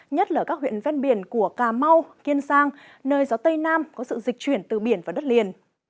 nhất là ở các huyện ven biển của cà mau kiên sang nơi gió tây nam có sự dịch chuyển từ biển vào đất liền